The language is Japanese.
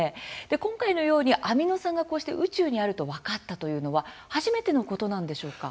今回のようにアミノ酸がこうして宇宙にあると分かったというのは初めてのことなんでしょうか？